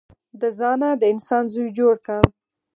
د ځانه د انسان زوی جوړ که.